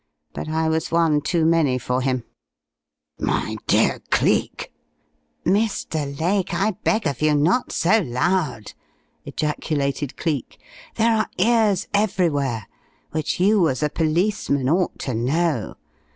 But I was one too many for him " "My dear Cleek!" "Mr. Lake, I beg of you not so loud!" ejaculated Cleek. "There are ears everywhere, which you as a policeman ought to know.